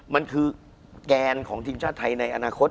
มันคือแกนของทีมชาติไทยในอนาคต